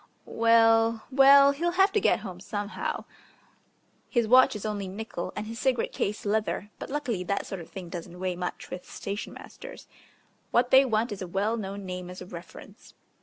Well, well, he'll have to get home somehow. His watch is only nickel and his cigarette case leather, but luckily that sort of thing doesn't weigh much with station masters. What they want is a well known name as a reference.